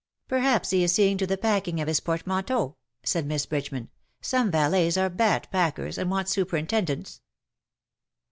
" Perhaps he is seeing to the packing of his port manteau,^* said Miss Bridgeman. " Some valets are bad packers, and want superintendence.'''